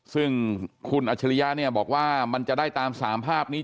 ซึ่งคุณอัจฉริยะเนี่ยบอกว่ามันจะได้ตาม๓ภาพนี้